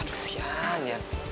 aduh jan jan